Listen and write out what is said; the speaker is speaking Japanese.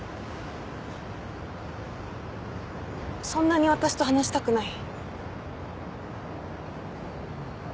そんなに私と話したくない？